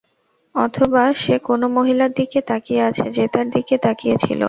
অথবা সে কোন মহিলার দিকে তাকিয়ে আছে যে তার দিকে তাকিয়ে ছিলো।